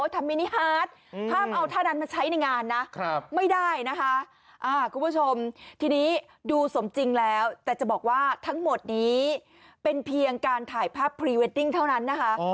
ทรับไม่ได้นะคะอ่าคุณผู้ชมที่นี้ดูสมจริงแล้วแต่จะบอกว่าทั้งหมดนี้เป็นเพียงการถ่ายภาพพรีเวดดิ้งเท่านั้นนะคะอ่อ